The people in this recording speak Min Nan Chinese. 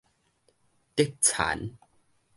竹田